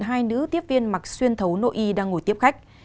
hai nữ tiếp viên mặc xuyên thấu no y đang ngồi tiếp khách